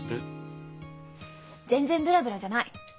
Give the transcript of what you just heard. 全然ブラブラじゃない。